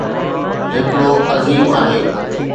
ھڪڙو عظيم آھي.